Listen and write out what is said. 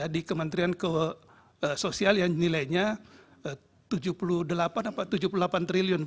di kementerian sosial yang nilainya rp tujuh puluh delapan triliun